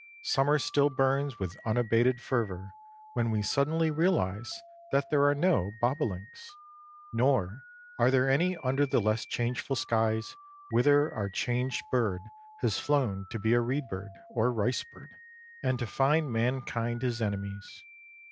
Summer still burns with unabated fervor, when we suddenly realize that there are no bobolinks. Nor are there any under the less changeful skies whither our changed bird has flown to be a reed bird or rice bird and to find mankind his enemies.